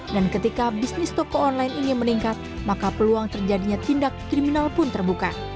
dan ketika bisnis toko online ini meningkat maka peluang terjadinya tindak kriminal pun terbuka